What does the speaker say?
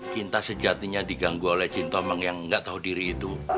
cinta sejatinya diganggu oleh jin tomang yang gak tau diri itu